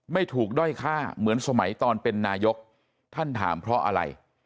ไม่ถูกด้อยฆ่าเหมือนสมัยตอนเป็นนายกท่านถามเพราะอะไร